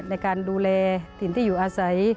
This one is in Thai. ในการดูแลถิ่นที่อยู่อาศัย